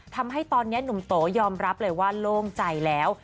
ทำให้ตอนนี้หนุ่มโตยอมรับเลยว่าโล่งใจแล้ว